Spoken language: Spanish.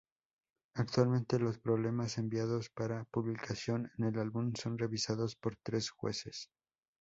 Actualmente, los problemas enviados para publicación en el álbum son revisados por tres jueces.